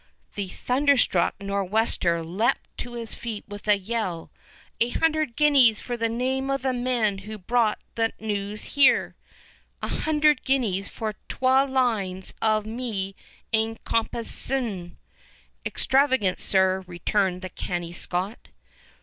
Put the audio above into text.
The thunderstruck Nor'wester leaped to his feet with a yell: "A hundred guineas for the name of the men who brought that news here." "A hundred guineas for twa lines of me ain compaesin! Extravagant, sir," returns the canny Scot.